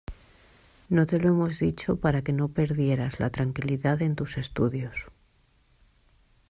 No te lo hemos dicho para que no perdieras la tranquilidad en tus estudios.